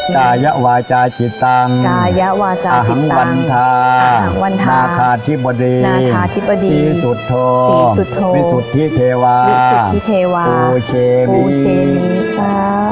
กายะวาจาจิตังอาหังวันทานาทาทิบดีสิสุทธโธวิสุทธิเทวาภูเชมี